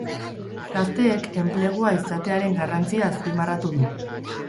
Gazteek enplegua izatearen garrantzia azpimarratu du.